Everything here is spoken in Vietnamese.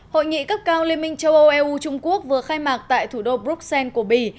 hội nghị cấp cao liên minh châu âu eu trung quốc vừa khai mạc tại thủ đô bruxelles của bỉ